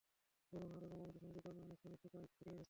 পুরোনো হওয়ায় এবং অবৈধ সংযোগের কারণে অনেক স্থানেই পাইপ ফেটে গেছে।